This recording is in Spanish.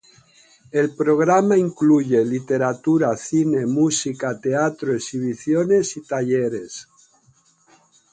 El programa incluye literatura, cine, música, teatro, exhibiciones y talleres.